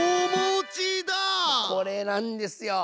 これなんですよ。